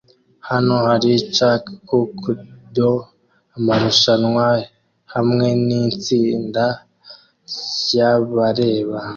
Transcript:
Hano hari chun kuk do amarushanwa hamwe nitsinda ryabareba